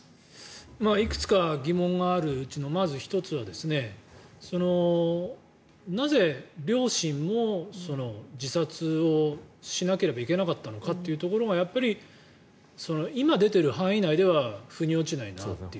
いくつか疑問があるうちのまず１つはなぜ、両親も自殺をしなければいけなかったのかというところがやっぱり今出ている範囲内では腑に落ちないなという。